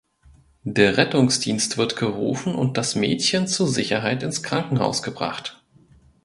Der Rettungsdienst wird gerufen und das Mädchen zur Sicherheit ins Krankenhaus gebracht.